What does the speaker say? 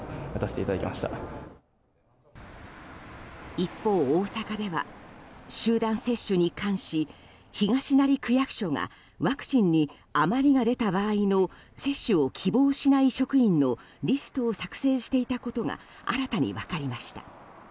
一方、大阪では集団接種に関し東成区役所がワクチンに余りが出た場合の接種を希望しない職員のリストを作成していたことが新たに分かりました。